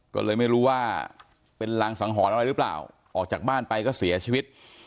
ก็เลยไม่รู้ว่าเป็นรังสังหรณ์อะไรหรือเปล่าออกจากบ้านไปก็เสียชีวิต